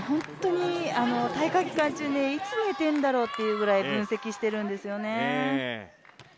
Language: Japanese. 大会期間中に、いつ寝てるんだろうというくらい分析しているんですよね。